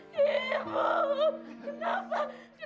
biar dokter yang buka